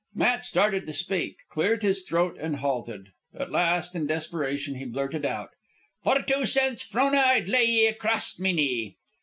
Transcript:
Matt started to speak, cleared his throat, and halted. At last, in desperation, he blurted out, "For two cents, Frona, I'd lay ye acrost me knee."